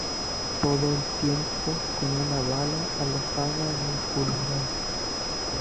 Todo el tiempo con una bala alojada en un pulmón.